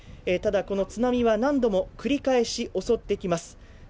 ただこの津波は何度も繰り返し襲ってきます。